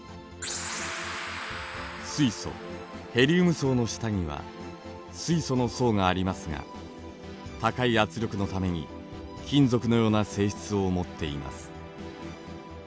水素・ヘリウム層の下には水素の層がありますが高い圧力のために金属のような性質を持っています。